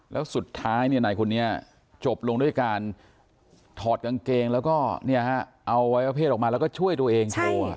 แล้วสุดท้ายนายคนนี้จบลงด้วยการถอดกางเกงแล้วก็เอาวัยวะเพศออกมาแล้วก็ช่วยตัวเองโชว์